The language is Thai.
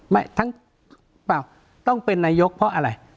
ไม่ต้องเป็นนายกเพราะอะไร